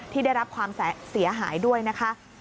ที่ได้รับความเสียหายด้วยนะคะ